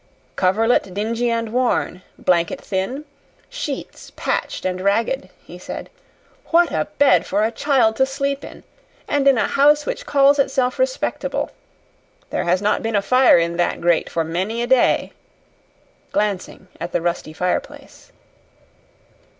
"Coverlet dingy and worn, blanket thin, sheets patched and ragged," he said. "What a bed for a child to sleep in and in a house which calls itself respectable! There has not been a fire in that grate for many a day," glancing at the rusty fireplace.